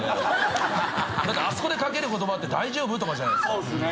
あそこで掛ける言葉って「大丈夫？」とかじゃないですか。そうっすね。